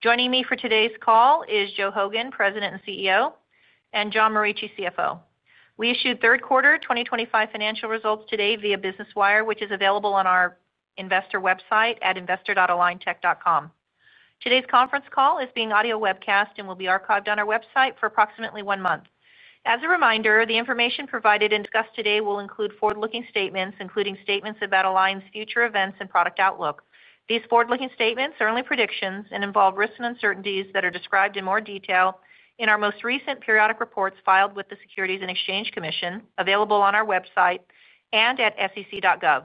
Joining me for today's call is Joe Hogan, President and CEO, and John Morici, CFO. We issued third quarter 2025 financial results today via Business Wire, which is available on our investor website at investor.aligntech.com. Today's conference call is being audio webcast and will be archived on our website for approximately one month. As a reminder, the information provided and discussed today will include forward looking statements, including statements about Align's future events and product outlook. These forward looking statements are only predictions and involve risks and uncertainties that are described in more detail in our most recent periodic reports filed with the Securities and Exchange Commission, available on our website and at sec.gov.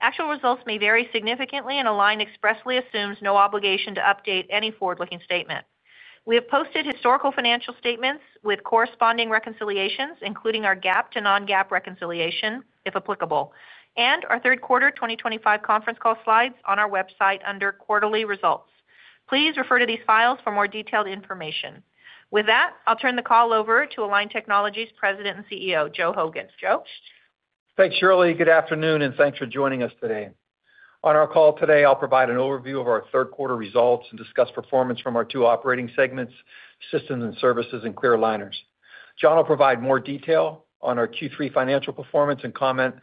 Actual results may vary significantly, and Align expressly assumes no obligation to update any forward looking statement. We have posted historical financial statements with corresponding reconciliations, including our GAAP to non-GAAP reconciliation if applicable, and our third quarter 2025 conference call slides on our website under Quarterly Results. Please refer to these files for more detailed information. With that, I'll turn the call over to Align Technology's President and CEO, Joe Hogan. Joe. Thanks Shirley. Good afternoon and thanks for joining us today. On our call today I'll provide an overview of our third quarter results and discuss performance from our two operating segments, systems and services and clear aligners. John will provide more detail on our Q3 financial performance and comment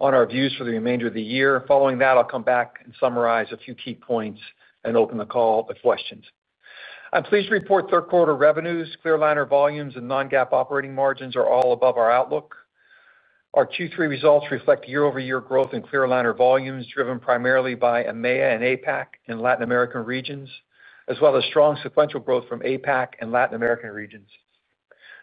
on our views for the remainder of the year. Following that I'll come back and summarize a few key points and open the call to questions. I'm pleased to report third quarter revenues, clear aligner volumes, and non-GAAP operating margins are all above our outlook. Our Q3 results reflect year-over-year growth in clear aligner volumes driven primarily by EMEA and APAC and Latin America regions as well as strong sequential growth from APAC and Latin America regions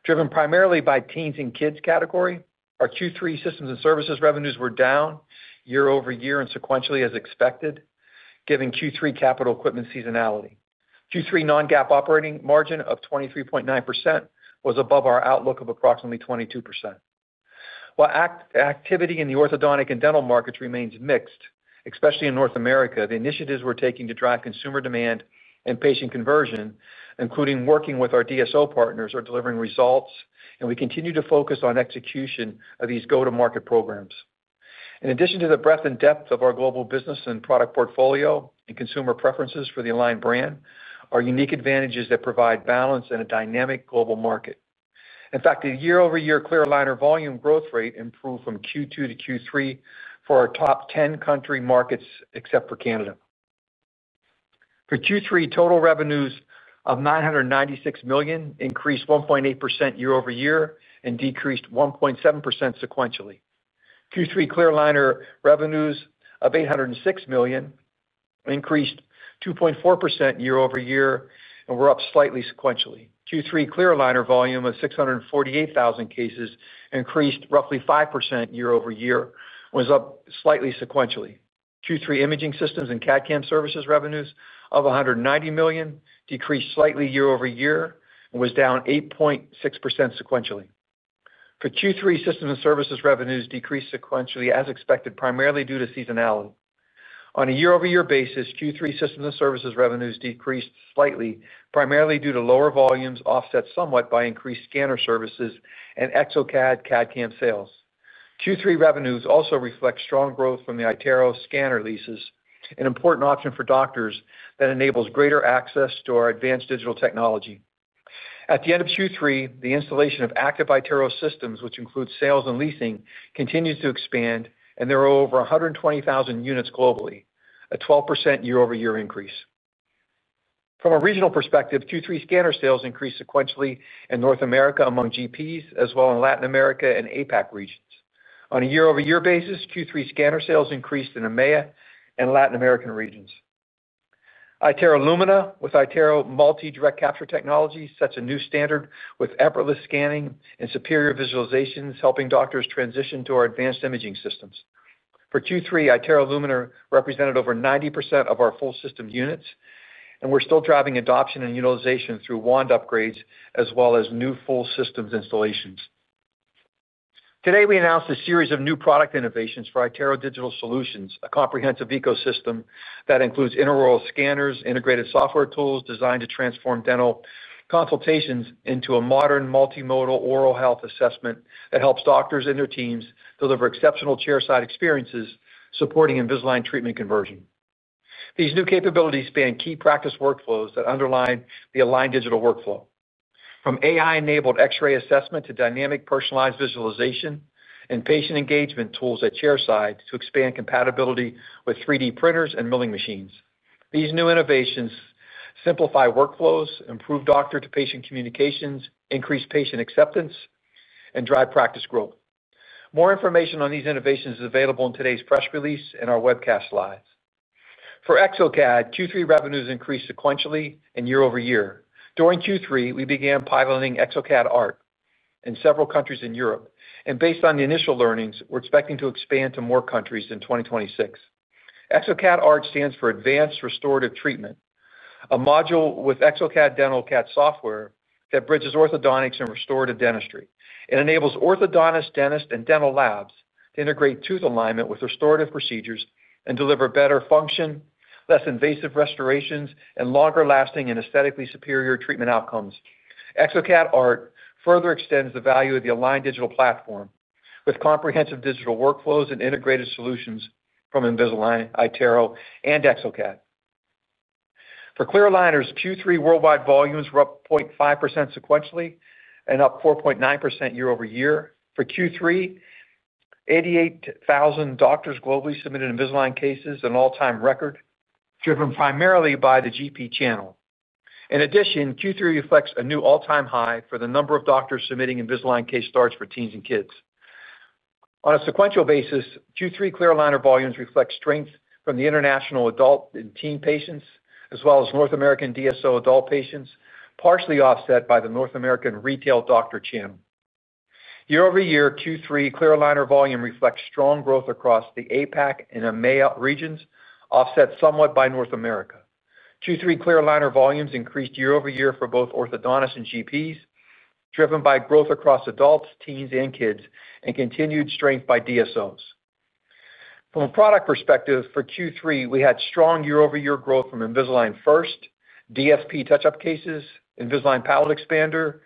driven primarily by teens and kids category. Our Q3 systems and services revenues were down year-over-year and sequentially as expected given Q3 capital equipment seasonality. Q3 non-GAAP operating margin of 23.9% was above our outlook of approximately 22% while activity in the orthodontic and dental markets remains mixed, especially in North America. The initiatives we're taking to drive consumer demand and patient conversion, including working with our DSO partners, are delivering results and we continue to focus on execution of these go-to-market programs. In addition to the breadth and depth of our global business and product portfolio and consumer preferences for the Align brand, our unique advantages provide balance in a dynamic global market. In fact, year-over-year clear aligner volume growth rate improved from Q2 to Q3 for our top 10 country markets except for Canada. For Q3, total revenues of $996 million increased 1.8% year-over-year and decreased 1.7% sequentially. Q3 clear aligner revenues of $806 million increased 2.4% year-over-year and were up slightly sequentially. Q3 clear aligner volume of 648,000 cases increased roughly 5% year-over-year and was up slightly sequentially. Q3 imaging systems and CAD/CAM services revenues of $190 million decreased slightly year-over-year and was down 8.6% sequentially. For Q3 systems and services, revenues decreased sequentially as expected primarily due to seasonality. On a year-over-year basis, Q3 systems and services revenues decreased slightly primarily due to lower volumes offset somewhat by increased scanner services and exocad CAD/CAM sales. Q3 revenues also reflect strong growth from the iTero scanner leases, an important option for doctors that enables greater access to our advanced digital technology. At the end of Q3, the installation of active iTero systems, which includes sales and leasing, continues to expand and there are over 120,000 units globally, a 12% year-over-year increase. From a regional perspective, Q3 scanner sales increased sequentially in North America among GPs as well in Latin America and APAC regions. On a year-over-year basis, Q3 scanner sales increased in EMEA and Latin America regions. iTero Lumina with iTero Multi Direct Capture Technology sets a new standard with effortless scanning and superior visualizations, helping doctors transition to our advanced imaging systems. For Q3, iTero Lumina represented over 90% of our full system units and we're still driving adoption and utilization through wand upgrades as well as new full systems installations. Today we announced a series of new product innovations for iTero Digital Solutions, a comprehensive ecosystem that includes intraoral scanners, integrated software tools designed to transform dental consultations into a modern multimodal oral health assessment that helps doctors and their teams deliver exceptional chairside experiences supporting Invisalign treatment conversion. These new capabilities span key practice workflows that underline the Align digital workflow from AI-powered X-ray assessment to dynamic personalized visualization and patient engagement tools at chairside to expand compatibility with 3D printers and milling machines. These new innovations simplify workflows, improve doctor to patient communications, increase patient acceptance, and drive practice growth. More information on these innovations is available in today's press release and our webcast slides. For exocad, Q3 revenues increased sequentially and year-over-year. During Q3 we began piloting exocad ART in several countries in Europe and based on the initial learnings, we're expecting to expand to more countries in 2026. exocad ART stands for Advanced Restorative Treatment, a module with exocad CAD/CAM software that bridges orthodontics and restorative dentistry. It enables orthodontists, dentists, and dental labs to integrate tooth alignment with restorative procedures and deliver better function, less invasive restorations, and longer lasting and aesthetically superior treatment outcomes. exocad CAD/CAM software ART further extends the value of the Align Technology digital platform with comprehensive digital workflows and integrated solutions from Invisalign, iTero intraoral scanners, and exocad CAD/CAM software. For clear aligners, Q3 worldwide volumes were up 0.5% sequentially and up 4.9% year-over-year. For Q3, 88,000 doctors globally submitted Invisalign cases, an all-time record driven primarily by the GP channel. In addition, Q3 reflects a new all-time high for the number of doctors submitting Invisalign case starts for teens and kids on a sequential basis. Q3 clear aligner volumes reflect strength from the international adult and teen patients as well as North American DSO adult patients, partially offset by the North American retail doctor channel year-over-year. Q3 clear aligner volume reflects strong growth across the APAC and EMEA regions, offset somewhat by North America. Q3 clear aligner volumes increased year-over-year for both orthodontists and GPs, driven by growth across adults, teens, and kids and continued strength by DSOs. From a product perspective for Q3, we had strong year-over-year growth from Invisalign First DSP touch up cases, Invisalign Palatal Expander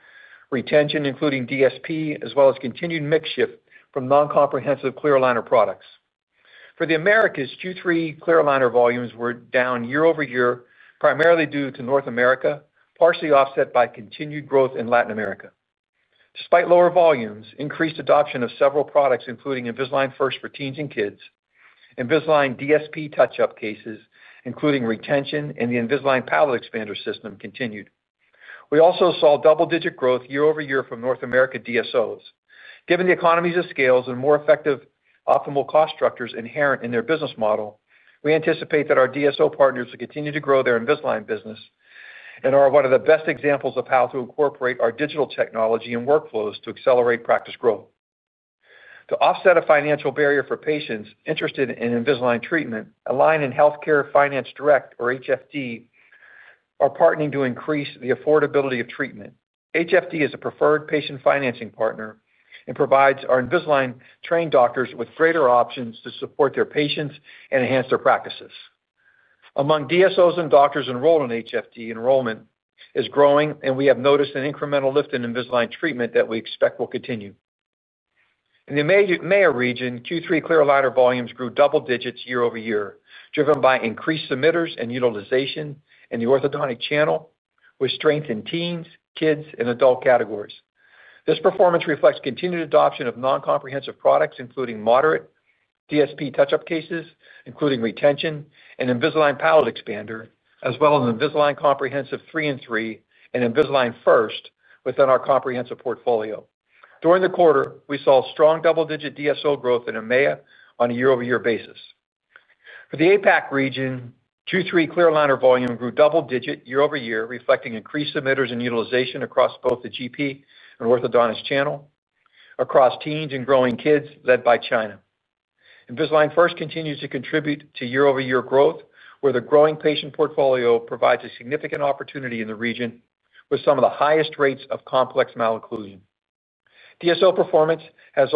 retention including DSP, as well as continued mix shift from non-comprehensive clear aligner products. For the Americas, Q3 clear aligner volumes were down year-over-year primarily due to North America, partially offset by continued growth in Latin America. Despite lower volumes, increased adoption of several products including Invisalign First for teens and kids, Invisalign DSP touch up cases including retention, and the Invisalign Palatal Expander system continued. We also saw double-digit growth year-over-year from North America DSOs. Given the economies of scale and more effective optimal cost structures inherent in their business model, we anticipate that our DSO partners will continue to grow their Invisalign business and are one of the best examples of how to incorporate our digital technology and workflows to accelerate practice growth. To offset a financial barrier for patients interested in Invisalign treatment, Align Technology and Healthcare Finance Direct, or HFD, are partnering to increase the affordability of treatment. HFD is a preferred patient financing partner and provides our Invisalign trained doctors with greater options to support their patients and enhance their practices. Among DSOs and doctors enrolled in HFD, enrollment is growing and we have noticed an incremental lift in Invisalign treatment that we expect will continue in the Maya region. Q3 clear aligner volumes grew double digits year-over-year, driven by increased submitters and utilization in the orthodontic channel with strength in teens, kids, and adult categories. This performance reflects continued adoption of non-comprehensive products, including moderate DSP touch up cases, including retention and Invisalign Palate Expander, as well as Invisalign Comprehensive 3 and 3 and Invisalign First within our comprehensive portfolio. During the quarter, we saw strong double-digit DSO growth in EMEA on a year-over-year basis. For the APAC region, Q3 clear aligner volume grew double digit year-over-year, reflecting increased submitters and utilization across both the GP and orthodontist channel across teens and growing kids. Led by China, Invisalign First continues to contribute to year-over-year growth, where the growing patient portfolio provides a significant opportunity in the region with some of the highest rates of complex malocclusion. DSO performance was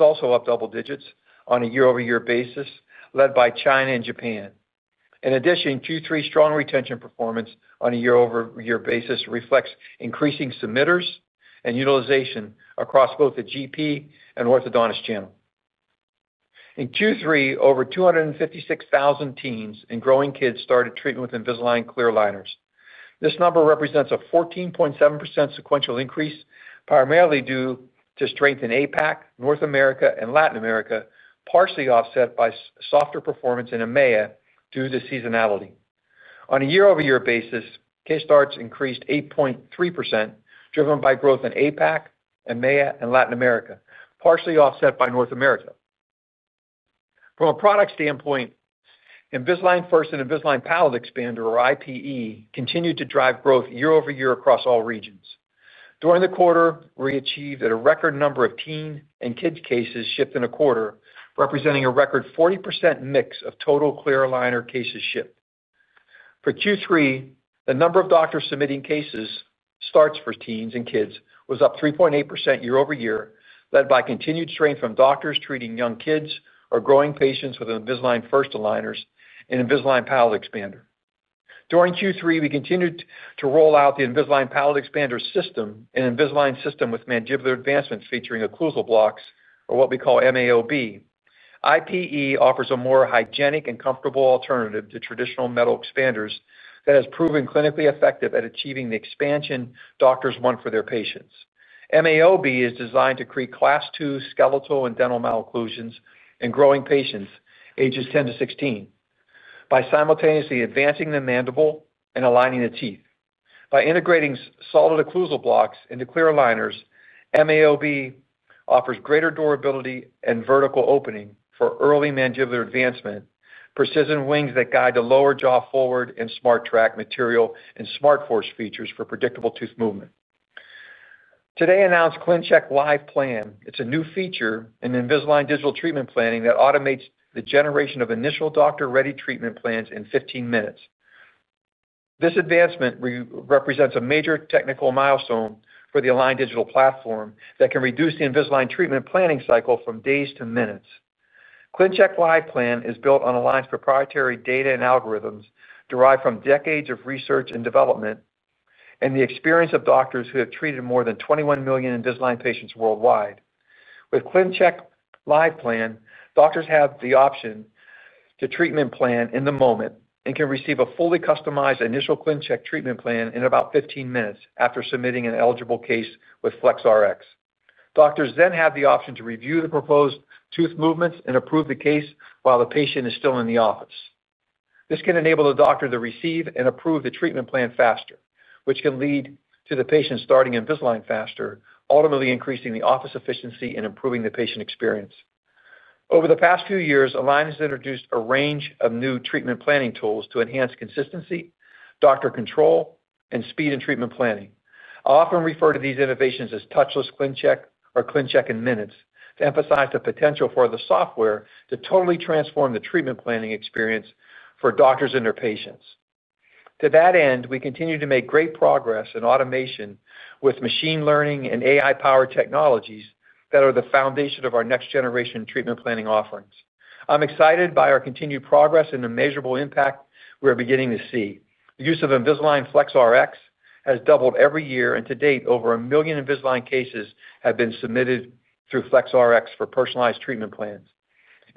also up double digits on a year-over-year basis, led by China and Japan. In addition, Q3's strong retention performance on a year-over-year basis reflects increasing submitters and utilization across both the GP and orthodontist channel. In Q3, over 256,000 teens and growing kids started treatment with Invisalign clear aligners. This number represents a 14.7% sequential increase, primarily due to strength in APAC, North America, and Latin America, partially offset by softer performance in EMEA due to seasonality. On a year-over-year basis, K starts increased 8.3%, driven by growth in APAC, EMEA, and Latin America, partially offset by North America. From a product standpoint, Invisalign First and Invisalign Palate Expander, or IPE, continued to drive growth year-over-year across all regions during the quarter, achieved at a record number of teen and kids cases shipped in a quarter, representing a record 40% mix of total clear aligner cases shipped for Q3. The number of doctors submitting case starts for teens and kids was up 3.8% year-over-year, led by continued strength from doctors treating young kids or growing patients with Invisalign First aligners and Invisalign Palate Expander. During Q3 we continued to roll out the Invisalign Palate Expander System, an Invisalign System with mandibular advancement featuring occlusal blocks, or what we call MAOB. IPE offers a more hygienic and comfortable alternative to traditional metal expanders that has proven clinically effective at achieving the expansion doctors want for their patients. MAOB is designed to create Class 2 skeletal and dental malocclusions in growing patients ages 10-16 by simultaneously advancing the mandible and aligning the teeth. By integrating solid occlusal blocks into clear aligners, MAOB offers greater durability and vertical opening for early mandibular advancement, precision wings that guide the lower jaw forward, and SmartTrack material and SmartForce features for predictable tooth movement. Today announced ClinCheck Live Plan. It's a new feature in Invisalign digital treatment planning that automates the generation of initial doctor-ready treatment plans in 15 minutes. This advancement represents a major technical milestone for the Align digital platform that can reduce the Invisalign treatment planning cycle from days to minutes. ClinCheck Live Plan is built on Align's proprietary data and algorithms derived from decades of research and development and the experience of doctors who have treated more than 21 million Invisalign patients worldwide. With ClinCheck Live Plan, doctors have the option to treatment plan in the moment and can receive a fully customized initial ClinCheck treatment plan in about 15 minutes. After submitting an eligible case with FlexRx, doctors then have the option to review the proposed tooth movements and approve the case while the patient is still in the office. This can enable the doctor to receive and approve the treatment plan faster, which can lead to the patient starting Invisalign faster, ultimately increasing the office efficiency and improving the patient experience. Over the past few years, Align has introduced a range of new treatment planning tools to enhance consistency, doctor control, and speed in treatment planning. I often refer to these innovations as Touchless ClinCheck or ClinCheck in Minutes to emphasize the potential for the software to totally transform the treatment planning experience for doctors and their patients. To that end, we continue to make great progress in automation with machine learning and AI-powered technologies that are the foundation of our next generation treatment planning offerings. I'm excited by our continued progress and the measurable impact we are beginning to see. The use of Invisalign FlexRx has doubled every year, and to date, over 1 million Invisalign cases have been submitted through FlexRx for personalized treatment plans.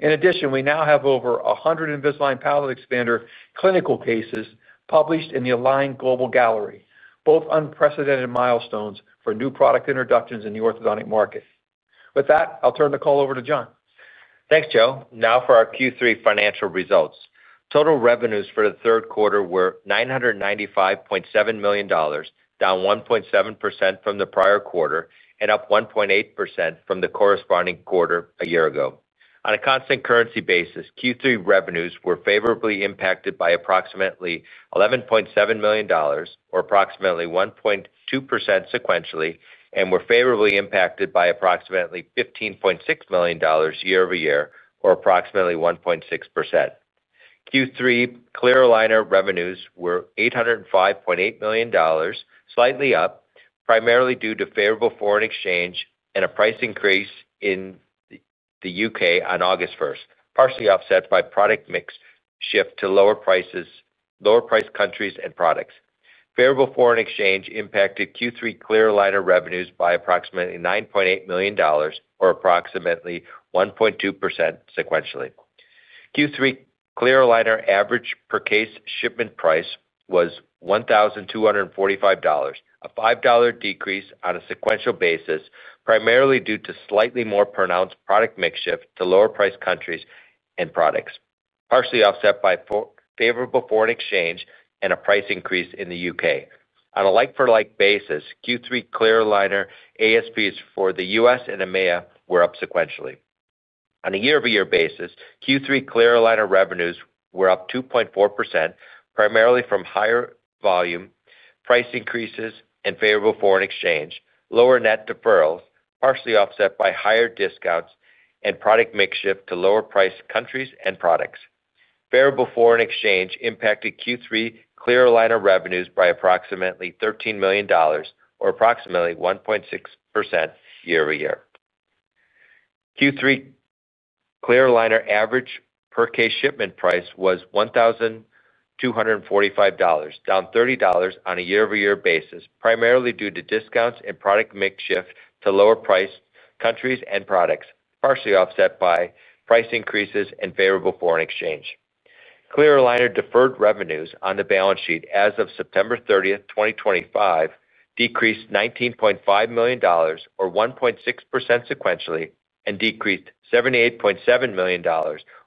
In addition, we now have over 100 Invisalign palate expander clinical cases published in the Align Global Gallery. Both are unprecedented milestones for new product introductions in the orthodontic market. With that, I'll turn the call over to John. Thanks, Joe. Now for our Q3 financial results. Total revenues for the third quarter were $995.7 million, down 1.7% from the prior quarter and up 1.8% from the corresponding quarter a year ago. On a constant currency basis, Q3 revenues were favorably impacted by approximately $11.7 million or approximately 1.2% sequentially and were favorably impacted by approximately $15.6 million year-over-year or approximately 1.6%. Q3 Clear Aligner revenues were $805.8 million, slightly up primarily due to favorable foreign exchange and a price increase in the U.K. on August 1, partially offset by product mix shift to lower priced countries and products. Favorable foreign exchange impacted Q3 Clear Aligner revenues by approximately $9.8 million or approximately 1.2% sequentially. Q3 Clear Aligner average per case shipment price was $1,245, a $5 decrease on a sequential basis primarily due to slightly more pronounced product mix shift to lower priced countries and products partially offset by favorable foreign exchange and a price increase in the U.K. on a like for like basis. Q3 Clear Aligner ASPs for the U.S. and EMEA were up sequentially on a year-over-year basis. Q3 Clear Aligner revenues were up 2.4% primarily from higher volume, price increases, and favorable foreign exchange, lower net deferrals partially offset by higher discounts and product mix shift to lower priced countries and products. Variable foreign exchange impacted Q3 Clear Aligner revenues by approximately $13 million or approximately 1.6% year-over-year. Q3 Clear Aligner average per case shipment price was $1,245, down $30 on a year-over-year basis primarily due to discounts and product mix shift to lower priced countries and products partially offset by price increases and favorable foreign exchange. Clear Aligner deferred revenues on the balance sheet as of September 30, 2025, decreased $19.5 million or 1.6% sequentially and decreased $78.7 million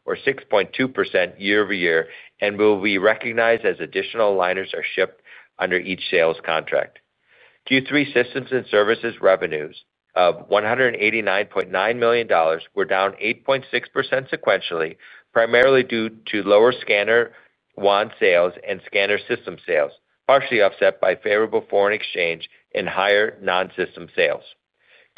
or 6.2% year-over-year and will be recognized as additional aligners are shipped under each sales contract. Q3 Systems and Services revenues of $189.9 million were down 8.6% sequentially primarily due to lower scanner wand sales and scanner system sales partially offset by favorable foreign exchange and higher non-system sales.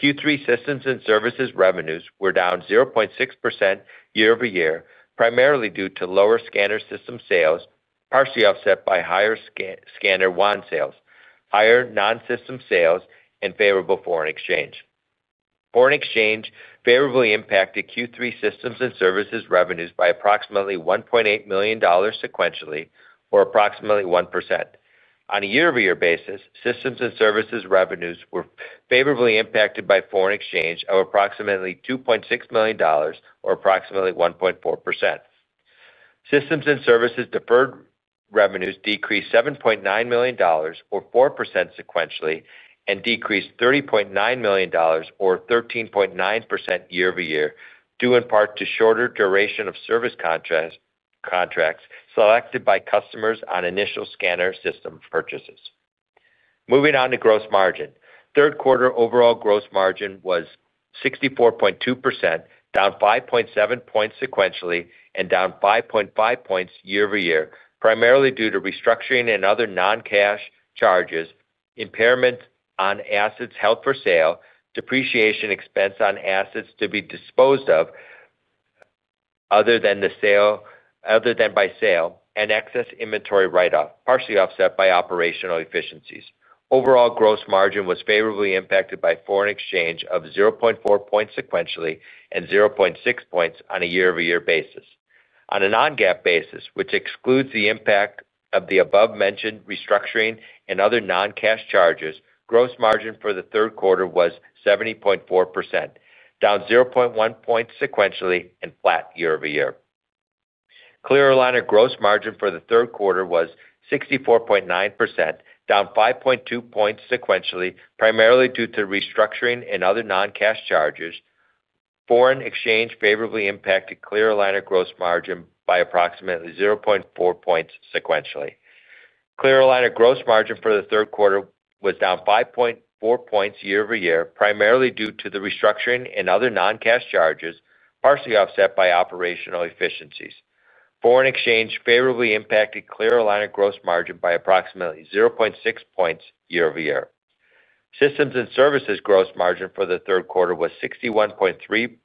Q3 Systems and Services revenues were down 0.6% year-over-year primarily due to lower scanner system sales partially offset by higher scanner wand sales, higher non-system sales, and favorable foreign exchange. Foreign exchange favorably impacted Q3 systems and services revenues by approximately $1.8 million sequentially or approximately 1% on a year-over-year basis. Systems and services revenues were favorably impacted by foreign exchange of approximately $2.6 million or approximately 1.4%. Systems and services deferred revenues decreased $7.9 million or 4% sequentially and decreased $30.9 million or 13.9% year-over-year due in part to shorter duration of service contracts selected by customers on initial scanner system purchases. Moving on to gross margin, third quarter overall gross margin was 64.2%, down 5.7 points sequentially and down 5.5 points year-over-year, primarily due to restructuring and other non-cash charges, impairments on assets held for sale, depreciation expense on assets to be disposed of other than by sale, and excess inventory write-off, partially offset by operational efficiencies. Overall gross margin was favorably impacted by foreign exchange of 0.4 points sequentially and 0.6 points on a year-over-year basis. On a non-GAAP basis, which excludes the impact of the above-mentioned restructuring and other non-cash charges, gross margin for the third quarter was 70.4%, down 0.1 points sequentially and year-over-year. clear aligner gross margin for the third quarter was 64.9%, down 5.2 points sequentially, primarily due to restructuring and other non-cash charges. Foreign exchange favorably impacted clear aligner gross margin by approximately 0.4 points sequentially. Clear aligner gross margin for the third quarter was down 5.4 points year-over-year, primarily due to the restructuring and other non-cash charges, partially offset by operational efficiencies. Foreign exchange favorably impacted clear aligner gross margin by approximately 0.6 points year-over-year. Systems and services gross margin for the third quarter was 61.3%,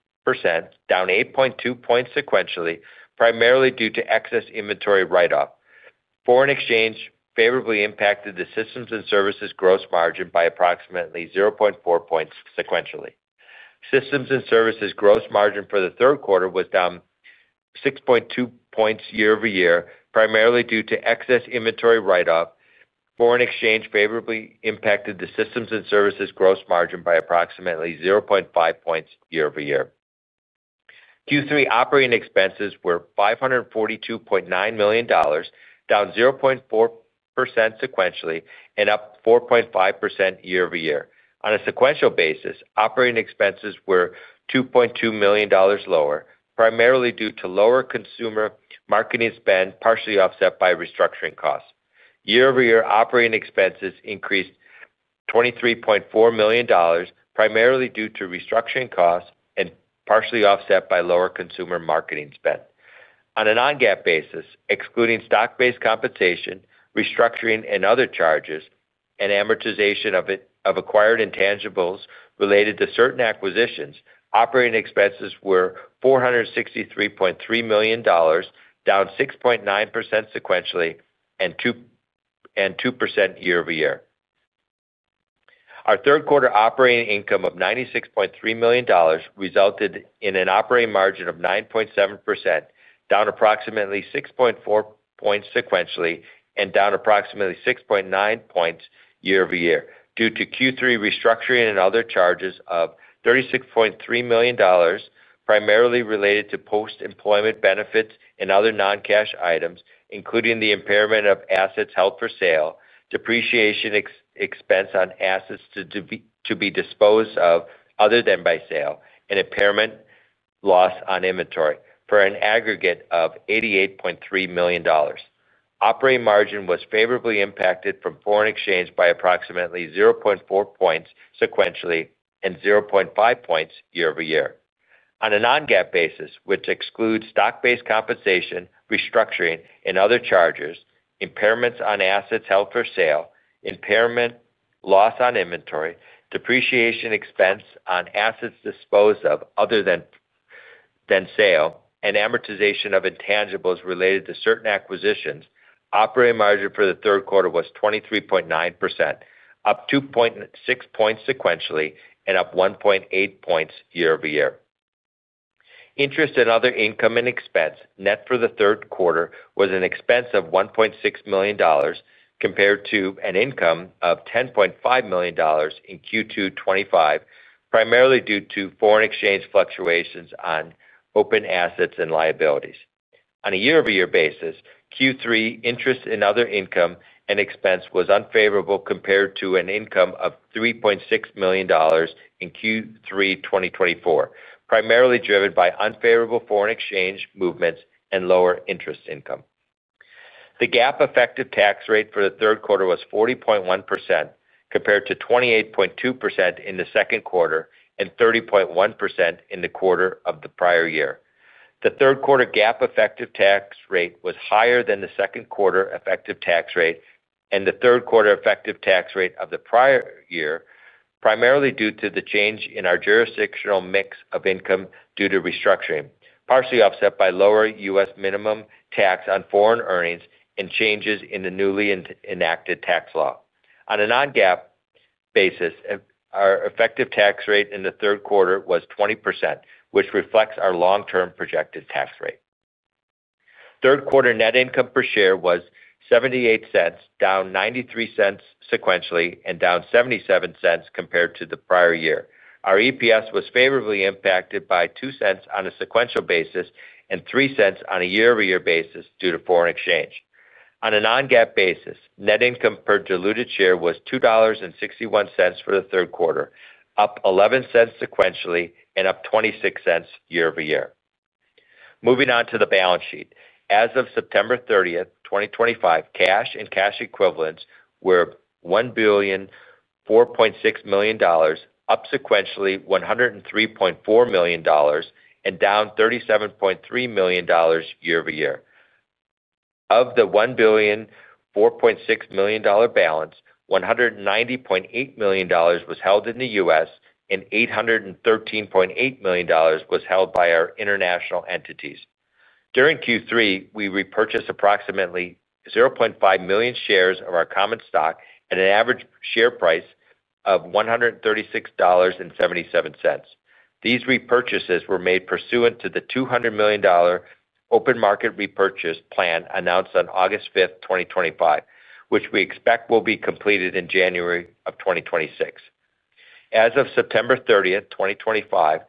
down 8.2 points sequentially, primarily due to excess inventory write-off. Foreign exchange favorably impacted the systems and services gross margin by approximately 0.4 points sequentially. Systems and services gross margin for the third quarter was down 6.2 points year-over-year, primarily due to excess inventory write-off. Foreign exchange favorably impacted the systems and services gross margin by approximately 0.5 points year-over-year. Q3 operating expenses were $542.9 million, down 0.4% sequentially and up 4.5% year-over-year. On a sequential basis, operating expenses were $2.2 million lower primarily due to lower consumer marketing spend, partially offset by restructuring costs. year-over-year, operating expenses increased $23.4 million primarily due to restructuring costs and partially offset by lower consumer marketing spend. On a non-GAAP basis, excluding stock-based compensation, restructuring and other charges, and amortization of acquired intangibles related to certain acquisitions, operating expenses were $463.3 million, down 6.9% sequentially and 2% year-over-year. Our third quarter operating income of $96.3 million resulted in an operating margin of 9.7%, down approximately 6.4 points sequentially and down approximately 6.9 points year-over-year due to Q3 restructuring and other charges of $36.3 million, primarily related to post-employment benefits and other non-cash items including the impairment of assets held for sale, depreciation expense on assets to be disposed of other than by sale, and impairment loss on inventory for an aggregate of $88.3 million. Operating margin was favorably impacted from foreign exchange by approximately 0.4 points sequentially and 0.5 points year-over-year. On a non-GAAP basis, which excludes stock-based compensation, restructuring and other charges, impairments on assets held for sale, impairment loss on inventory, depreciation expense on assets disposed of other than by sale, and amortization of intangibles related to certain acquisitions, operating margin for the third quarter was 23.9%, up 2.6 points sequentially and up 1.8 points year-over-year. Interest and other income and expense, net, for the third quarter was an expense of $1.6 million compared to an income of $10.5 million in Q2 2025, primarily due to foreign exchange fluctuations on open assets and liabilities. On a year-over-year basis, Q3 interest and other income and expense was unfavorable compared to an income of $3.6 million in Q3 2024, primarily driven by unfavorable foreign exchange movements and lower interest income. The GAAP effective tax rate for the third quarter was 40.1% compared to 28.2% in the second quarter and 30.1% in the quarter of the prior year. The third quarter GAAP effective tax rate was higher than the second quarter effective tax rate and the third quarter effective tax rate of the prior year primarily due to the change in our jurisdictional mix of income due to restructuring, partially offset by lower U.S. minimum tax on foreign earnings and changes in the newly enacted tax law. On a non-GAAP basis, our effective tax rate in the third quarter was 20%, which reflects our long-term projected tax rate. Third quarter net income per share was $0.78, down $0.93 sequentially and down $0.77 compared to the prior year. Our EPS was favorably impacted by $0.02 on a sequential basis and $0.03 on a year-over-year basis due to foreign exchange. On a non-GAAP basis, net income per diluted share was $2.61 for the third quarter, up $0.11 sequentially and up $0.26 year-over-year. Moving on to the balance sheet, as of September 30, 2025, cash and cash equivalents were $1,004.6 million, up sequentially $103.4 million and down $37.3 million year-over-year. Of the $1,004.6 million balance, $190.8 million was held in the U.S. and $813.8 million was held by our international entities. During Q3, we repurchased approximately 0.5 million shares of our common stock at an average share price of $136.77. These repurchases were made pursuant to the $200 million open market repurchase plan announced on August 5, 2025, which we expect will be completed in January of 2026. As of September 30, 2025,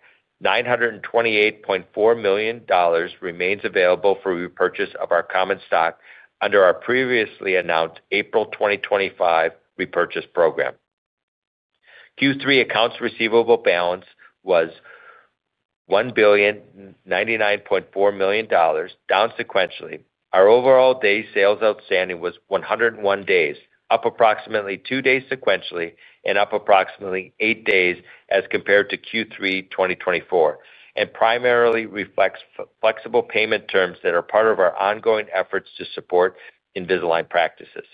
$928.4 million remains available for repurchase of our common stock under our previously announced April 2025 repurchase program. Q3 accounts receivable balance was $1,099.4 million, down sequentially. Our overall day sales outstanding was 101 days, up approximately 2 days sequentially and up approximately 8 days as compared to Q3 2024 and primarily reflects flexible payment terms that are part of our ongoing efforts to support Invisalign practices.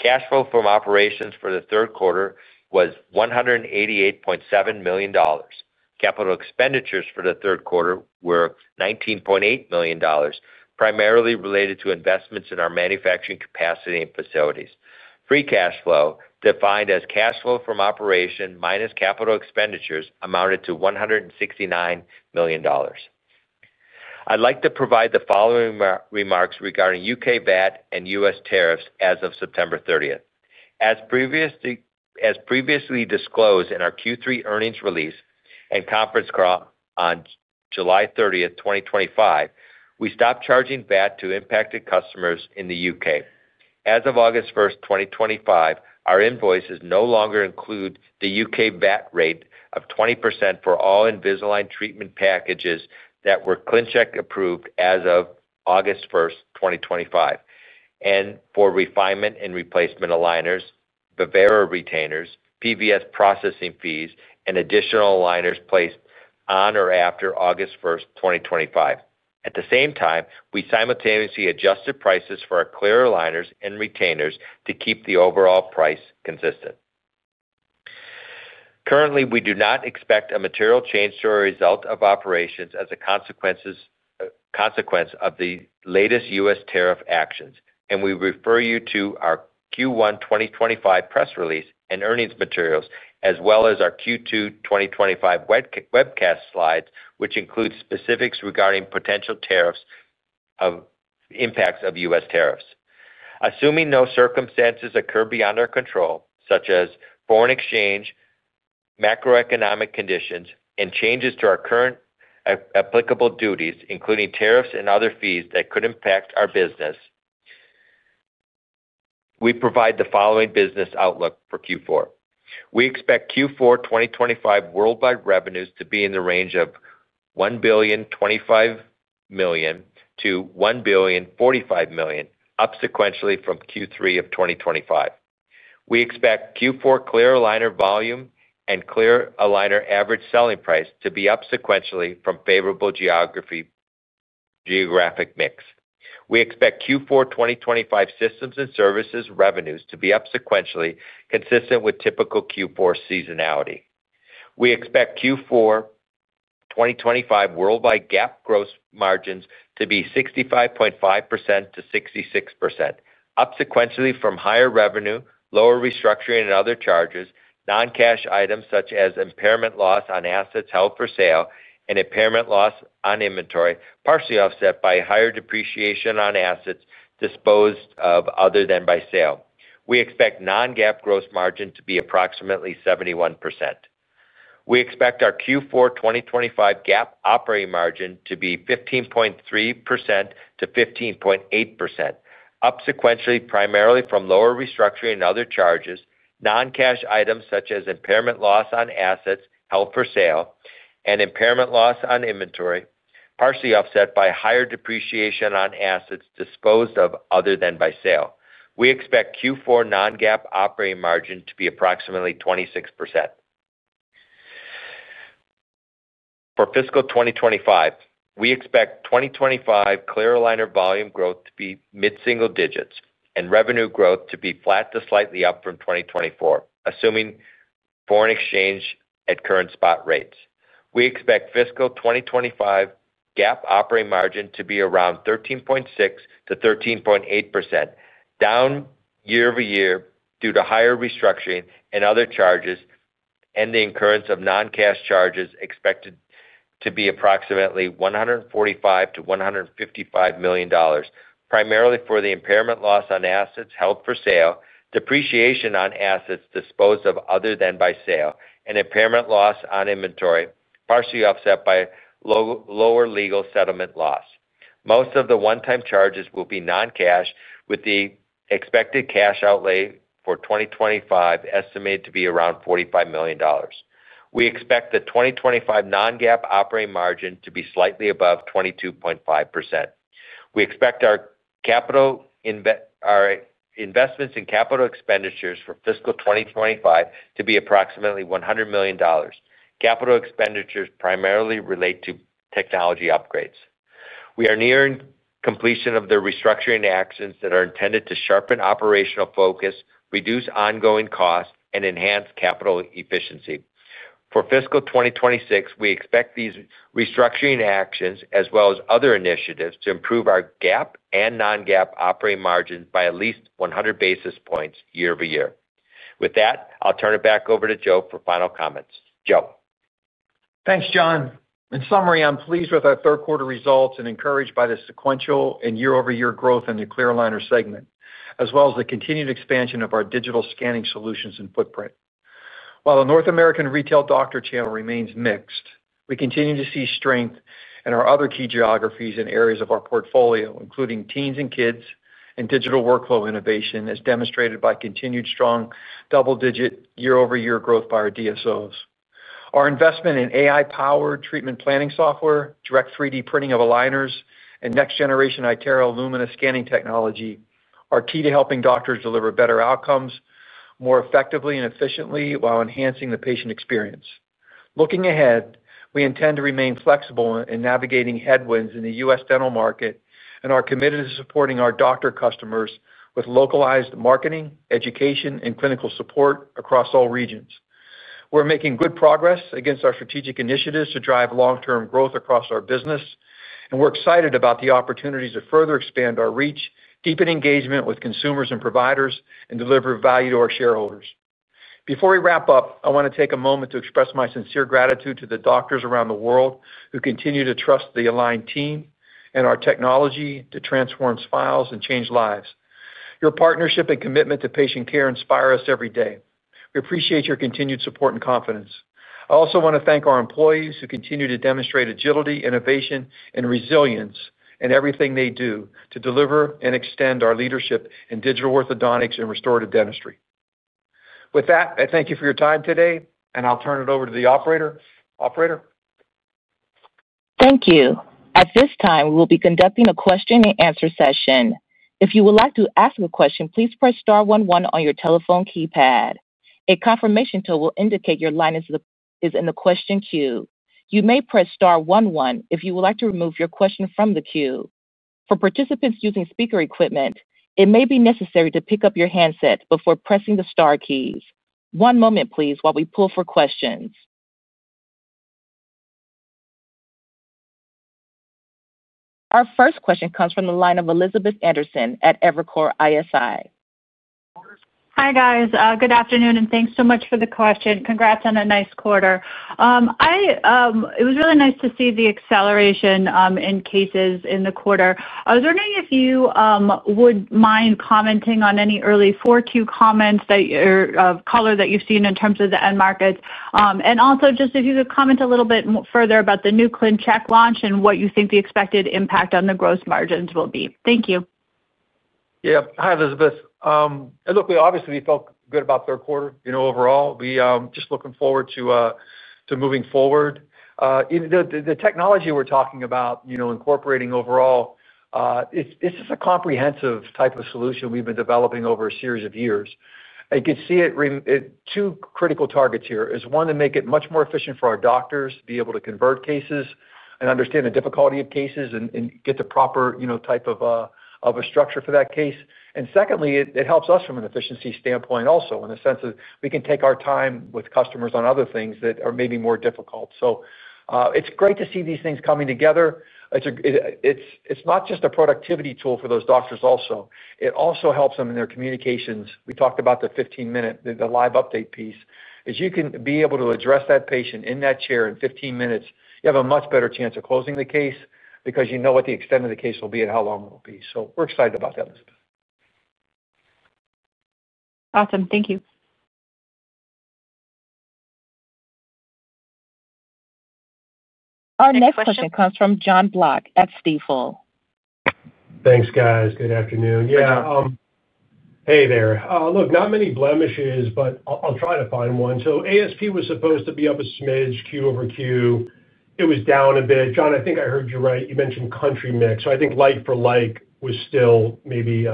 Cash flow from operations for the third quarter was $188.7 million. Capital expenditures for the third quarter were $19.8 million, primarily related to investments in our manufacturing capacity and facilities. Free cash flow, defined as cash flow from operations minus capital expenditures, amounted to $169 million. I'd like to provide the following remarks regarding U.K. VAT and U.S. tariffs as of September 30. As previously disclosed in our Q3 earnings release and conference call on July 30, 2025, we stopped charging VAT to impacted customers in the U.K.. As of August 1, 2025, our invoices no longer include the U.K. VAT rate of 20% for all Invisalign treatment packages that were ClinCheck Approved as of August 1, 2025, and for refinement and replacement aligners, Vivera retainers, PVS processing fees, and additional aligners placed on or after August 1, 2025. At the same time, we simultaneously adjusted prices for our clear aligners and retainers to keep the overall price construction consistent. Currently, we do not expect a material change to our results of operations as a consequence of the latest U.S. tariff actions, and we refer you to our Q1 2025 press release and earnings materials, as well as our Q2 2025 webcast slides, which include specifics regarding potential tariff impacts. Assuming no circumstances occur beyond our control, such as foreign exchange, macroeconomic conditions, and changes to our current applicable duties, including tariffs and other fees that could impact our business, we provide the following business outlook for Q4. We expect Q4 2025 worldwide revenues to be in the range of $1,025,000,000-$1,045,000,000, up sequentially from Q3 of 2025. We expect Q4 clear aligner volume and clear aligner average selling price to be up sequentially from favorable geographic mix. We expect Q4 2025 systems and services revenues to be up sequentially consistent with typical Q4 seasonality. We expect Q4 2025 worldwide GAAP gross margins to be 65.5%-66%, up sequentially from higher revenue, lower restructuring and other charges, non-cash items such as impairment loss on assets held for sale and impairment loss on inventory, partially offset by higher depreciation on assets disposed of other than by sale. We expect non-GAAP gross margin to be approximately 71%. We expect our Q4 2025 GAAP operating margin to be 15.3%-15.8%, up sequentially primarily from lower restructuring and other charges, non-cash items such as impairment loss on assets held for sale and impairment loss on inventory, partially offset by higher depreciation on assets disposed of other than by sale. We expect Q4 non-GAAP operating margin to be approximately 26%. For fiscal 2025, we expect 2025 clear aligner volume growth to be mid-single digits and revenue growth to be flat to slightly up from 2024. Assuming foreign exchange at current spot rates, we expect fiscal 2025 GAAP operating margin to be around 13.6%-13.8%, down year-over-year due to higher restructuring and other charges and the incurrence of non-cash charges expected to be approximately $145 million-$155 million, primarily for the impairment loss on assets held for sale, depreciation on assets disposed of other than by sale, and impairment loss on inventory, partially offset by lower legal settlement loss. Most of the one-time charges will be non-cash, with the expected cash outlay for 2025 estimated to be around $45 million. We expect the 2025 non-GAAP operating margin to be slightly above 22.5%. We expect our investments in capital expenditures for fiscal 2025 to be approximately $100 million. Capital expenditures primarily relate to technology upgrades. We are nearing completion of the restructuring actions that are intended to sharpen operational focus, reduce ongoing costs, and enhance capital efficiency. For fiscal 2026, we expect these restructuring actions as well as other initiatives to improve our GAAP and non-GAAP operating margins by at least 100 basis points year-over-year. With that, I'll turn it back over to Joe for final comments. Joe, thanks John. In summary, I'm pleased with our third quarter results and encouraged by the sequential and year-over-year growth in the clear aligner segment as well as the continued expansion of our digital scanning solutions and footprint. While the North American retail Dr. channel remains mixed, we continue to see strength in our other key geographies and areas of our portfolio including teens and kids and digital workflow innovation as demonstrated by continued strong double digit year-over-year growth by our DSOs. Our investment in AI-powered treatment planning software, direct 3D printing of aligners, and next generation iTero Lumina scanning technology are key to helping doctors deliver better outcomes more effectively and efficiently while enhancing the patient experience. Looking ahead, we intend to remain flexible in navigating headwinds in the U.S. dental market and are committed to supporting our doctor customers with localized marketing, education, and clinical support across all regions. We're making good progress against our strategic initiatives to drive long term growth across our business and we're excited about the opportunities to further expand our reach, deepen engagement with consumers and providers, and deliver value to our shareholders. Before we wrap up, I want to take a moment to express my sincere gratitude to the doctors around the world who continue to trust the Align team and our technology to transform smiles and change lives. Your partnership and commitment to patient care inspire us every day. We appreciate your continued support and confidence. I also want to thank our employees who continue to demonstrate agility, innovation, and resilience in everything they do to deliver and extend our leadership in digital orthodontics and restorative dentistry. With that, I thank you for your time today and I'll turn it over to the operator. Operator. Thank you. At this time, we will be conducting a question-and-answer session. If you would like to ask a question, please star one one on your telephone keypad. A confirmation tone will indicate your line is in the question queue. You may press star one one if you would like to remove your question from the queue. For participants using speaker equipment, it may be necessary to pick up your handset before pressing the star keys. One moment, please, while we poll for questions. Our first question comes from the line of Elizabeth Anderson at Evercore ISI. Hi, guys. Good afternoon and thanks so much for the question. Congrats on a nice quarter. It was really nice to see the acceleration in cases in the quarter. I was wondering if you would mind commenting on any early 4Q comments of color that you've seen in terms of the end markets, and also just if you could comment a little bit further about the new ClinCheck launch and what you think the expected impact on the gross margins will be. Thank you. Yeah. Hi, Elizabeth. Look, we obviously felt good about third quarter. Overall. We are just looking forward to moving forward. The technology we're talking about incorporating, overall, it's just a comprehensive type of solution we've been developing over a series of years. I could see it. Two critical targets here are, one, to make it much more efficient for our doctors to be able to convert cases and understand the difficulty of cases and get the proper type of a structure for that case. Secondly, it helps us from an efficiency standpoint also in a sense that we can take our time with customers on other things that are maybe more difficult. It's great to see these things coming together. It's not just a productivity tool for those doctors, it also helps them in their communications. We talked about the 15 minute live update piece. As you can be able to address that patient in that chair in 15 minutes, you have a much better chance of closing the case because you know what the extent of the case will be and how long it will be. We're excited about that. Awesome. Thank you. Our next question comes from Jon Block at Stifel. Thanks, guys. Good afternoon. Hey there. Look. Not many blemishes, but I'll try to find one. ASP was supposed to be up a smidge Q-over-Q. It was down a bit. John, I think I heard you right. You mentioned country mix. I think like for like was still maybe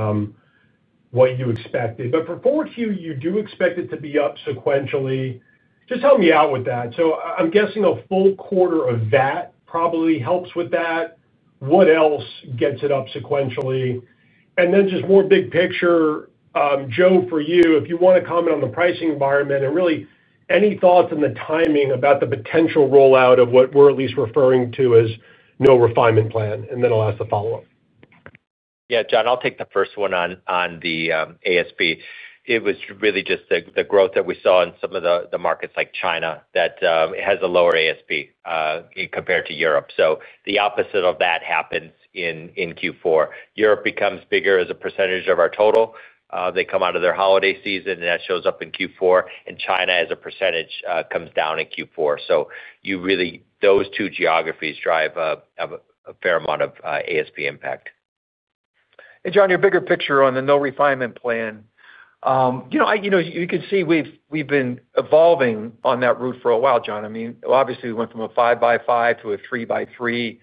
what you expected, but for 4Q you do expect it to be up sequentially. Just help me out with that. I'm guessing a full quarter of that probably helps with that. What else gets it up sequentially, and then just more big picture. Joe, for you, if you want to comment on the pricing environment and really any thoughts on the timing about the potential rollout of what we're at least referring to as no refinement plan. I'll ask the follow up. Yeah, Jon, I'll take the first one. On the ASP. It was really just the growth that we saw in some of the markets like China that has a lower ASP compared to Europe. The opposite of that happens in Q4. Europe becomes bigger as a percentage of our total. They come out of their holiday season, and that shows up in Q4. China as a percentage comes down in Q4. You really see those two geographies drive a fair amount of ASP impact. Jon, your bigger picture on the no refinement plan. You can see we've been evolving on that route for a while, Jon. Obviously, we went from a 5x5 to a 3x3.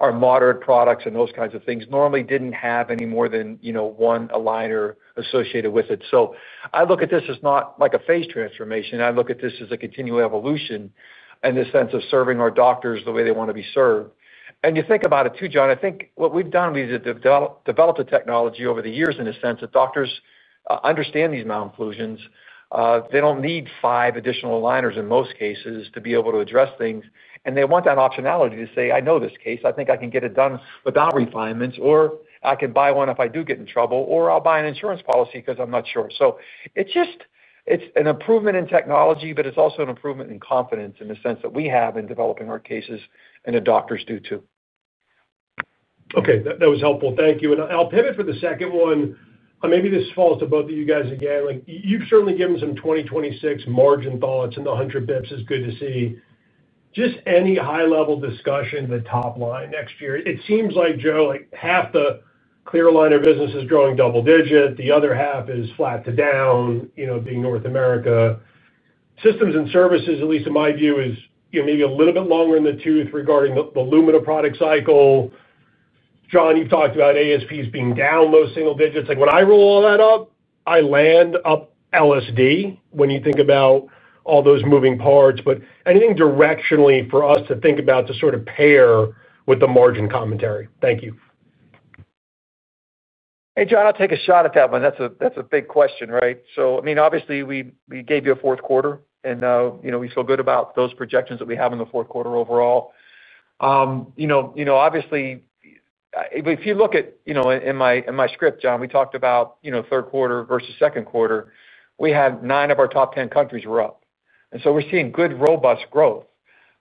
Our moderate products and those kinds of things normally didn't have any more than one aligner associated with it. I look at this as not like a phase transformation. I look at this as a continual evolution in the sense of serving our doctors the way they want to be served. You think about it too, Jon? I think what we've done, we developed a technology over the years in a sense that doctors understand these malocclusions. They don't need five additional aligners in most cases to be able to address things. They want that optionality to say I know this case, I think I can get it done without refinements or I can buy one if I do get in trouble or I'll buy an insurance policy because I'm not sure. It's just an improvement in technology, but it's also an improvement in confidence in the sense that we have in developing our cases and the doctors do too. Okay, that was helpful. Thank you. I'll pivot for the second one. Maybe this falls to both of you guys again. You've certainly given some 2026 margin thoughts and the 100 bps is good to see, just any high-level discussion. The top line next year, it seems like Joe, half the clear aligner business is growing double digit. The other half is flat to down. Being North America Systems and Services, at least in my view, is maybe a little bit longer in the tooth. Regarding the iTero Lumina product cycle, John, you've talked about ASPs being down low single digits. When I roll all that up, I land up LSD when you think about all those moving parts. Anything directionally for us to think about to pair with the margin commentary? Thank you. Hey Jon, I'll take a shot at that one. That's a big question, right? Obviously, we gave you a fourth quarter and we feel good about those projections that we have in the fourth quarter overall. Obviously, if you look at in my script, Jon, we talked about third quarter versus second quarter. We had nine of our top ten countries were up. We're seeing good robust growth.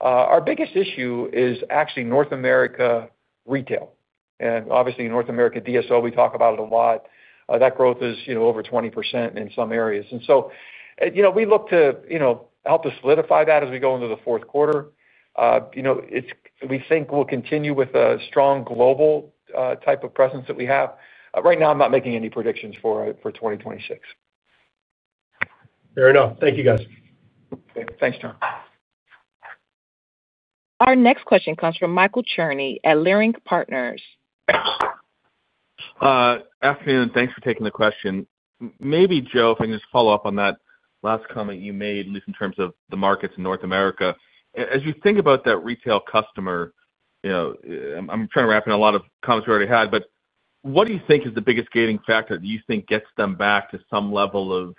Our biggest issue is actually North America retail, obviously North America DSO. We talk about it a lot. That growth is over 20% in some areas. We look to help us solidify that as we go into the fourth quarter. We think we'll continue with a strong global type of presence that we have right now. I'm not making any predictions for 2026. Fair enough. Thank you guys. Thanks, Jon. Our next question comes from Michael Cherny at Leerink Partners. Afternoon. Thanks for taking the question. Maybe Joe, if I can just follow up on that last comment you made. At least in terms of the markets. In North America, as you think about that retail customer, I'm trying to wrap in a lot of comments we already had. What do you think is the biggest gating factor that you think gets? Them back to some level of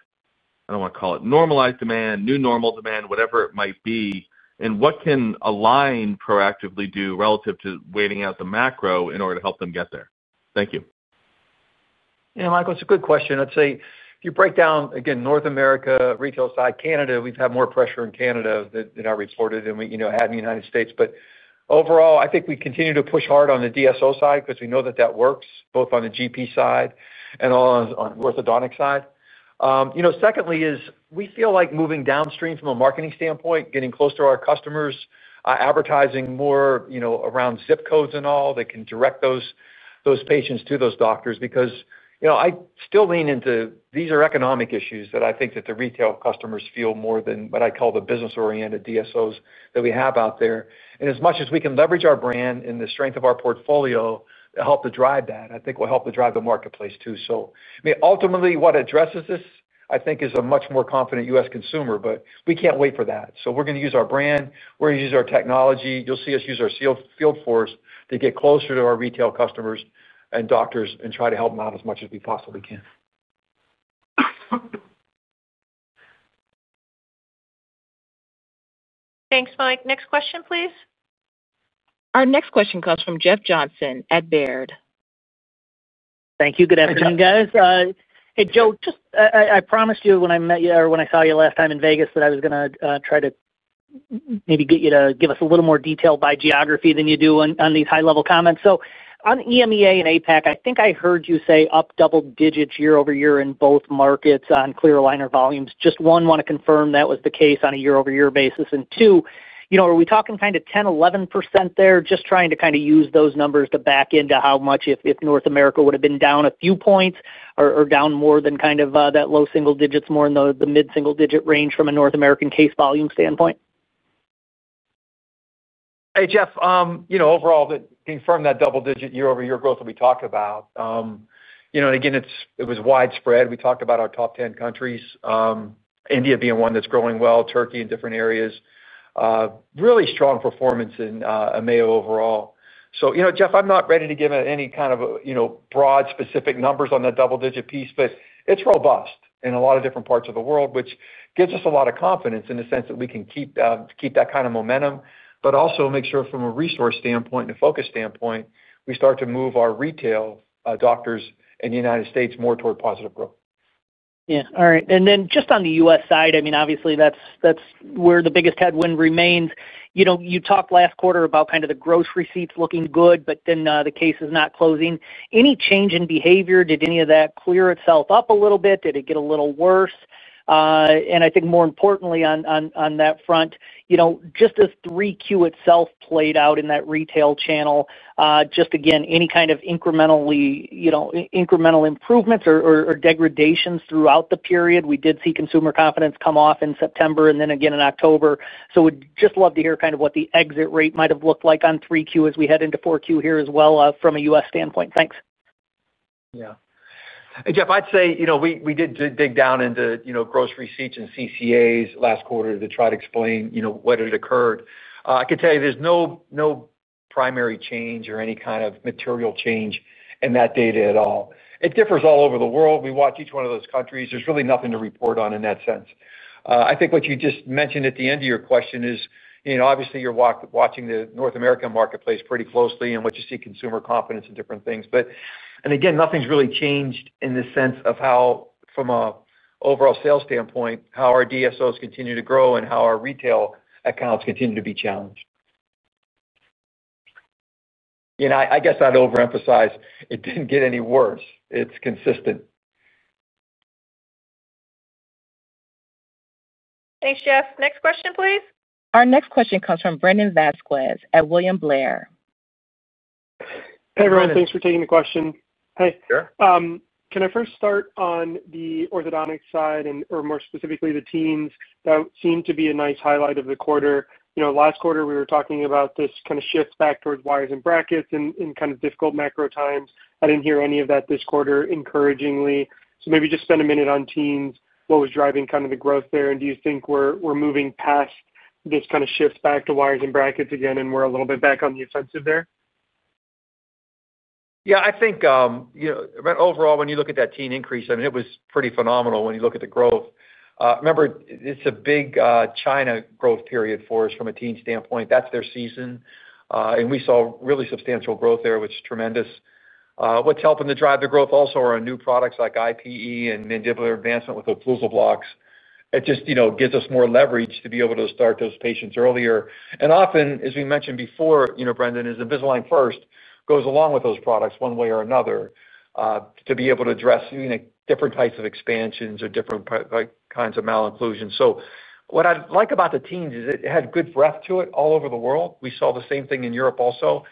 I. Don't want to call it normalized demand, new normal demand, whatever it might be. What can Align proactively do relative to waiting out the macro in order to help them get there? Thank you, Michael. It's a good question. I'd say if you break down again North America retail side, Canada, we've had more pressure in Canada than I reported than we had in the United States. Overall, I think we continue to push hard on the DSO side because we know that that works both on the GP side and orthodontic side. Secondly, we feel like moving downstream from a marketing standpoint, getting close to our customers, advertising more around zip codes and all that can direct those patients to those doctors. I still lean into these are economic issues that I think that the retail customers feel more than what I call the business-oriented DSOs that we have out there. As much as we can leverage our brand and the strength of our portfolio to help to drive that, I think will help to drive the marketplace too. Ultimately, what addresses this I think is a much more confident U.S. consumer. We can't wait for that. We're going to use our brand, we're going to use our technology. You'll see us use our field force to get closer to our retail customers and doctors and try to help them out as much as we possibly can. Thanks, Mike. Next question, please. Our next question comes from Jeff Johnson at Baird. Thank you. Good afternoon, guys. Hey Joe, just as I promised you when I met you or when I saw you last time in Vegas, I was going to try to maybe get you to give us a little more detail by geography than you do on these high level comments. On EMEA and APAC, I think. I heard you say up double digits year-over-year in both markets on clear aligner volumes. Just want to confirm that was the case on a year-over-year basis. Two, are we talking kind of 10%, 11%? They're just trying to kind of use those numbers to back into how much if North America would have been down a few points or down more than kind of that low single digits, more in the mid single digit range from a North American case volume standpoint. Hey, Jeff. Overall, confirmed that double-digit year-over-year growth that we talked about. It was widespread. We talked about our top 10 countries, India being one that's growing well, Turkey in different areas, really strong performance in EMEA overall. Jeff, I'm not ready to give any kind of broad specific numbers on the double-digit piece, but it's robust in a lot of different parts of the world, which gives us a lot of confidence in the sense that we can keep that kind of momentum, but also make sure from a resource standpoint and a focus standpoint, we start to move our retail doctors in the United States more toward positive growth. Yeah. All right. On the U.S. side, obviously that's where the biggest headwind remains. You talked last quarter about the gross receipts looking good, but then the cases not closing. Any change in behavior? Did any of that clear itself up a little bit? Did it get a little worse? More importantly on that front, just as 3Q itself played out in that retail channel, any kind of incremental improvements or degradations throughout the period? We did see consumer confidence come off in September and then again in October. We'd just love to hear what the exit rate might have looked like on 3Q as we head into 4Q here as well from a U.S. standpoint. Thanks. Yeah, Jeff, I'd say we did dig down into gross receipts and CCAs last quarter to try to explain what had occurred. I could tell you there's no primary change or any kind of material change in that data at all. It differs all over the world. We watch each one of those countries. There's really nothing to report on in that sense. I think what you just mentioned at the end of your question is obviously you're watching the North American marketplace pretty closely in what you see consumer confidence and different things. Nothing's really changed in this sense of how from an overall sales standpoint, how our DSOs continue to grow and how our retail accounts continue to be challenged. I guess I'd overemphasize it didn't get any worse. It's consistent. Thanks, Jeff. Next question, please. Our next question comes from Brandon Vasquez at William Blair. Hey, everyone, thanks for taking the question. Can I first start on the orthodontic side, or more specifically the teens that seem to be a nice highlight of the quarter? Last quarter we were talking about this kind of shift back towards wires and brackets and kind of difficult macro times. I didn't hear any of that this quarter, encouragingly. Maybe just spend a minute on teens. What was driving kind of the growth there? Do you think we're moving past this kind of shift back to wires and brackets again and we're a little bit back on the offensive there? Yeah, I think overall when you look at that teen increase, I mean, it was pretty phenomenal when you look at the growth. Remember, it's a big China growth period for us from a teen standpoint. That's their season and we saw really substantial growth there, which is tremendous. What's helping to drive the growth also are new products like IPE and mandibular advancement with occlusal blocks. It just gives us more leverage to be able to start those patients earlier. As we mentioned before, Invisalign First goes along with those products one way or another to be able to address different types of expansions or different kinds of malocclusion. What I like about the teens is it had good breadth to it. All over the world. We saw the same thing in EMEA, also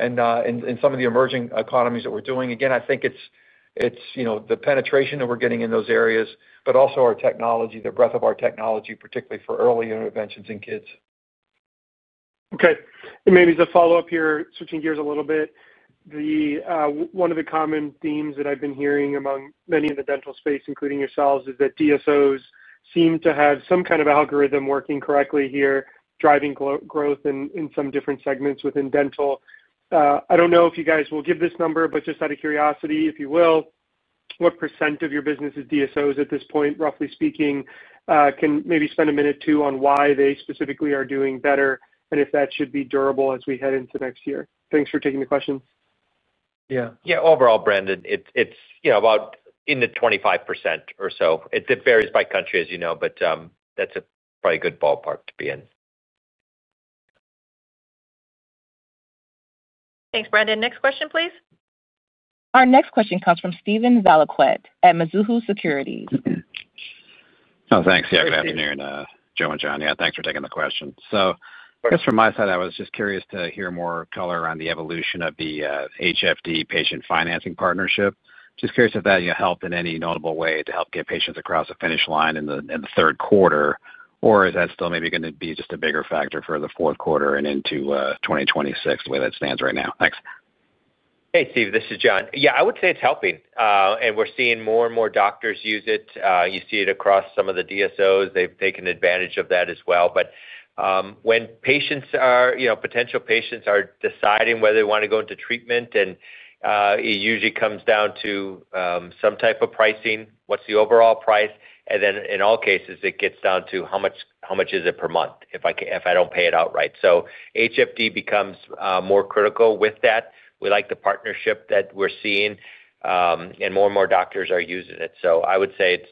in some of the emerging economies that we're doing. I think it's the penetration that we're getting in those areas, but also our technology, the breadth of our technology, particularly for early interventions in kids. Okay, maybe to follow up here, switching gears a little bit, one of the common themes that I've been hearing among many in the dental space, including yourselves, is that DSOs seem to have some kind of algorithm working correctly here, driving growth in some different segments within dental. I don't know if you guys will give this number, but just out of curiosity, if you will, what percentage of your business is DSOs at this point, roughly speaking, can maybe spend a minute too on why they specifically are doing better and if that should be durable as we head into next year. Thanks for taking the questions. Yeah, yeah. Overall, Brandon, it's about in the 25% or so. It varies by country, as you know, but that's probably a good ballpark to be in. Thanks, Brandon. Next question, please. Our next question comes from Steven Valiquette at Mizuho Securities. Oh, thanks. Good afternoon, Joe and John. Thanks for taking the question. I was just curious to hear more color on. The evolution of the Healthcare Finance Direct patient financing partnership. Just curious if that helped in any notable way to help get patients across the finish line in the third quarter, or is that still maybe going to be just a bigger factor for the fourth quarter and into 2026, the way that stands right now. Thanks. Hey, Steve, this is John. Yeah, I would say it's helping and we're seeing more and more doctors use it. You see it across some of the DSOs. They've taken advantage of that as well. When patients are, you know, potential patients are deciding whether they want to go into treatment, it usually comes down to some type of pricing, what's the overall price? In all cases, it gets down to how much is it per month if I don't pay it outright. HFD becomes more critical with that. We like the partnership that we're seeing and more and more doctors are using it. I would say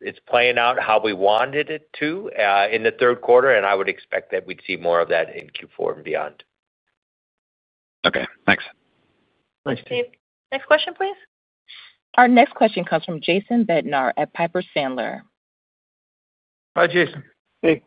it's playing out how we wanted it to in the third quarter and I would expect that we'd see more of that in Q4 and beyond. Okay, thanks, Steve. Next question, please. Our next question comes from Jason Bednar at Piper Sandler. Hi, Jason. Hey.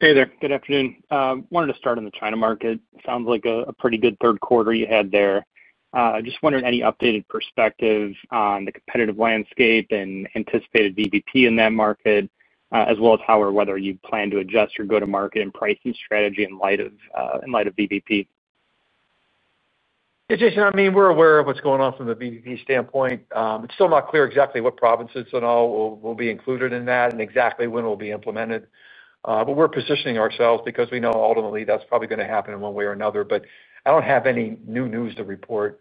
Good afternoon. Wanted to start on the China market. Sounds like a pretty good third quarter you had there. I just wondered any updated perspective on the competitive landscape and anticipated VBP in that market, as well as how or whether you plan to adjust your go to market and pricing strategy in light. Of VBP. Jason, I mean, we're aware of what's going on from the VBP standpoint. It's still not clear exactly what provinces and all will be included in that and exactly when it will be implemented. We are positioning ourselves because we know ultimately that's probably going to happen in one way or another. I don't have any new news to report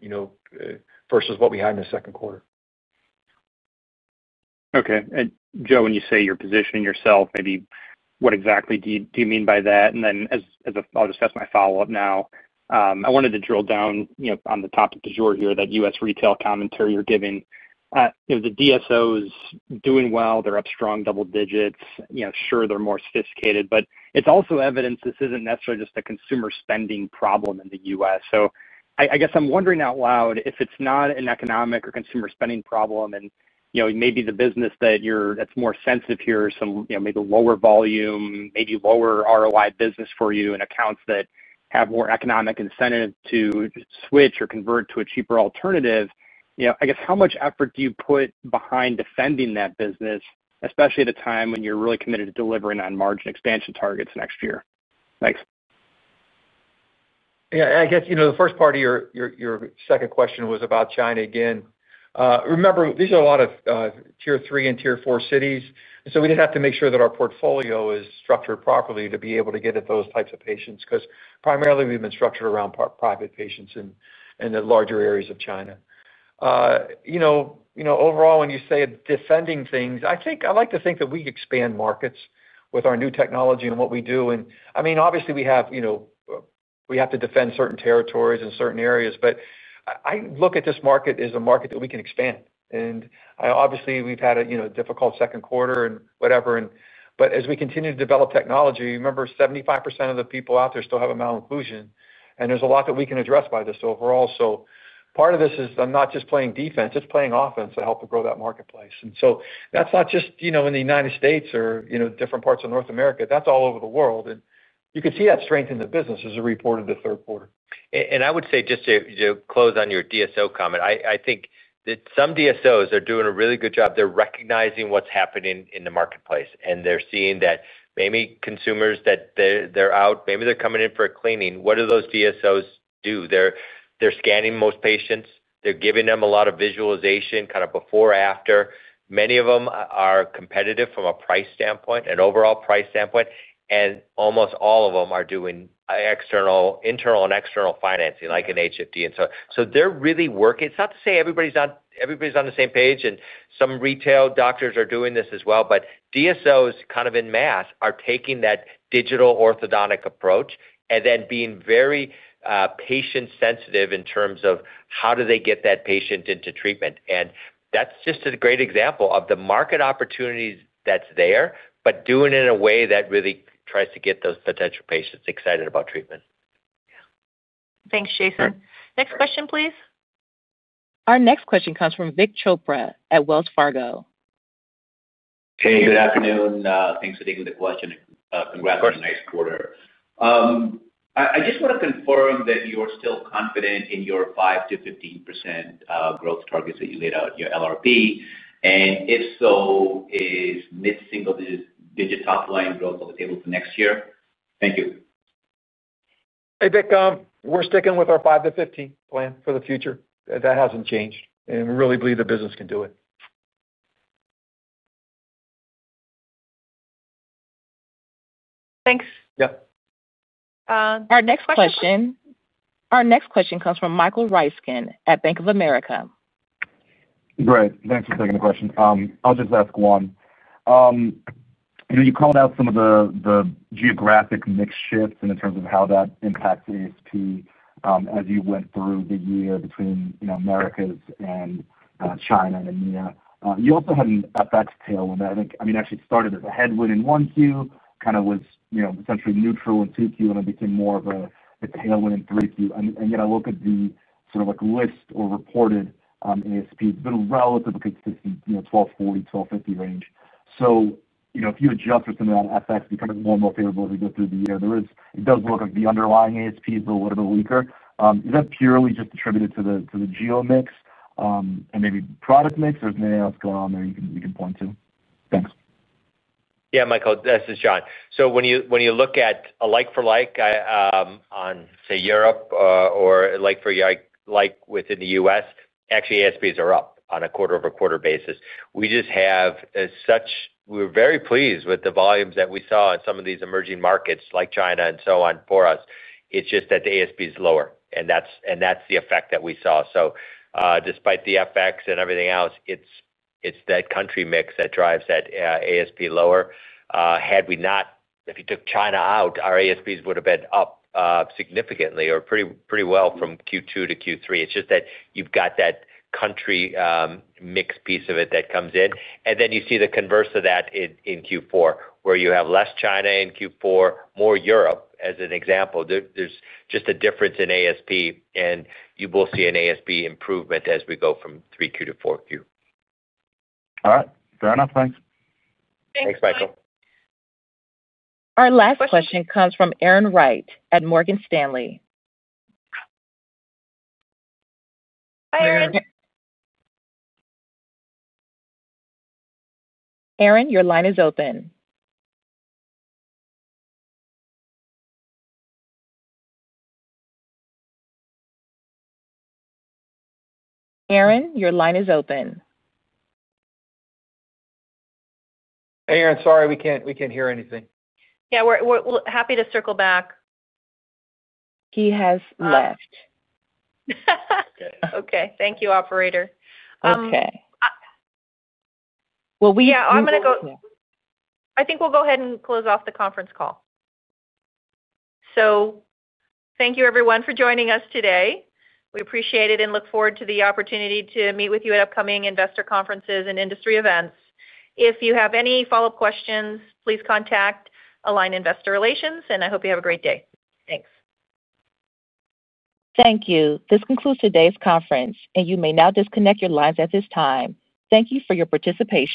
versus what we had in the second quarter. Okay. Joe, when you say you're positioning yourself, maybe, what exactly do you mean by that? I wanted to drill down on the topic du jour here, that U.S. retail commentary you're giving. The DSO is doing well. They're up strong double digits. Sure, they're more sophisticated, but it's also evidence this isn't necessarily just a consumer spending problem in the U.S. I guess I'm wondering out loud if it's not an economic or consumer spending problem and maybe the business that's more sensitive here, maybe lower volume, maybe lower ROI business for you and accounts that have more economic incentive to switch or convert to a cheaper alternative, I guess. How much effort do you put behind defending that business, especially at a time when you're really committed to delivering on margin expansion targets next year. Thanks. Yeah, I guess the first part of your second question was about China. Remember, these are a lot of tier 3 and tier 4 cities. We just have to make sure that our portfolio is structured properly to be able to get at those types of patients because primarily we've been structured around private patients in the larger areas of China. Overall, when you say defending things, I like to think that we expand markets with our new technology and what we do. I mean, obviously we have to defend certain territories in certain areas. I look at this market as a market that we can expand. Obviously we've had a difficult second quarter and whatever. As we continue to develop technology, remember, 75% of the people out there still have a malocclusion. There's a lot that we can address by this overall. Part of this is not just playing defense, it's playing offense to help to grow that marketplace. That's not just in the United States or different parts of North America. That's all over the world. You could see that strength in the business as a report in the third quarter. I would say, just to close on your DSO comment, I think that some DSOs are doing a really good job. They're recognizing what's happening in the marketplace and they're seeing that maybe consumers, that they're out, maybe they're coming in for a cleaning. What do those DSOs do? They're scanning most patients. They're giving them a lot of visualization, kind of before, after. Many of them are competitive from a price standpoint, an overall price standpoint. Almost all of them are doing internal and external financing like an HFD and so on. They're really working. It's not to say everybody's on the same page and some retail doctors are doing this as well. DSOs kind of en masse are taking that digital orthodontic approach and then being very patient sensitive in terms of how do they get that patient into treatment. That's just a great example of the market opportunities that are there, doing it in a way that really tries to get those potential patients excited about treatment. Thanks, Jason. Next question, please. Our next question comes from Vik Chopra at Wells Fargo. Hey, good afternoon. Thanks for taking the question. Congrats on a nice quarter. I just want to confirm that you. Are you still confident in your 5%-15% growth targets that you laid out in your LRP, and if so, is mid single digit top line growth on the table for next year? Thank you. Hey Vik, we're sticking with our 5-15 plan for the future. That hasn't changed, and we really believe the business can do it. Thanks. Our next question. Our next question comes from Michael Ryskin at Bank of America. Great, thanks for taking the question. I'll just ask John. You know, you called out some of the geographic mix shifts and in terms of how that impacts ASP, as you went through the year between Americas and China and EMEA, you also had an FX tailwind. It actually started as a headwind in Q1, kind of was essentially neutral in Q2, and then became more of a tailwind in Q3. Yet I look at the sort of list or reported ASP, it's been relatively consistent, $1,240, $1,250 range. If you adjust for some of that FX becoming more and more favorable as we go through the year, it does look like the underlying ASP is a little bit weaker. Is that purely just attributed to the geo mix and maybe product mix, or is there anything else going on there you can point to? Thanks. Yeah, Michael, this is John. When you look at a like for like on, say, Europe or like for like within the U.S., actually ASPs are up on a quarter-over-quarter basis. We were very pleased with the volumes that we saw in some of these emerging markets like China and so on. For us, it's just that the ASP is lower and that's the effect that we saw. Despite the FX and everything else, it's that country mix that drives that ASP lower. If you took China out, our ASPs would have been up significantly or pretty well from Q2 to Q3. It's just that you've got that country mix piece of it that comes in, and then you see the converse of that in Q4, where you have less China in Q4, more Europe as an example. There's just a difference in ASP. You will see an ASP improvement as we go from Q3 to Q4. All right, fair enough. Thanks. Thanks, Michael. Our last question comes from Erin Wright at Morgan Stanley. Hi, Erin. Erin, your line is open. Erin, your line is open. Erin, sorry, we can't hear anything. Yeah, we're happy to circle back. He has left. Okay, thank you, operator. Okay. I think we'll go ahead and close off the conference call. Thank you everyone for joining us today. We appreciate it and look forward to the opportunity to meet with you at upcoming investor conferences and industry events. If you have any follow up questions, please contact Align Investor Relations. I hope you have a great day. Thanks. Thank you. This concludes today's conference, and you may now disconnect your lines at this time. Thank you for your participation.